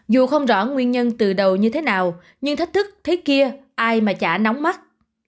dù không rõ nguyên nhân từ đầu như thế nào nhưng thách thức thế kia ai mà chả nóng mắt